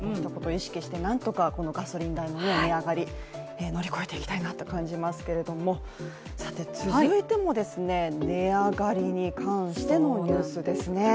意識してなんとかガソリン代の値上がり乗り越えていきたいなと感じますけれども続いても値上がりに関してのニュースですね。